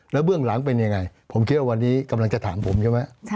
แล้วเบื้องหลังเป็นยังไงผมคิดว่าวันนี้กำลังจะถามผมใช่ไหม